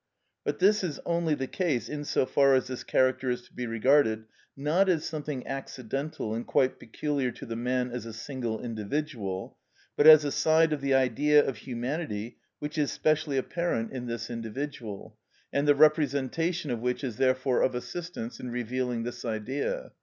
But this is only the case in so far as this character is to be regarded, not as something accidental and quite peculiar to the man as a single individual, but as a side of the Idea of humanity which is specially apparent in this individual, and the representation of which is therefore of assistance in revealing this Idea.